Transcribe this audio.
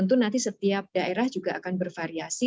tentu nanti setiap daerah juga akan bervariasi